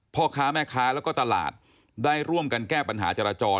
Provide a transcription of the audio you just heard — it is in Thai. พ่อค้าแม่ค้าแล้วก็ตลาดได้ร่วมกันแก้ปัญหาจราจร